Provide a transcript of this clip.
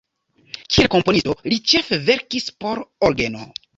Kiel komponisto li ĉefe verkis por orgeno.